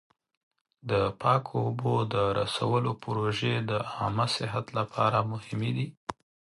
د پاکو اوبو د رسولو پروژې د عامه صحت لپاره مهمې دي.